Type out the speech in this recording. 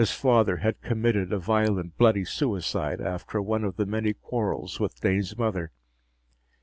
His father had committed a violent, bloody suicide after one of the many quarrels with Dane's mother.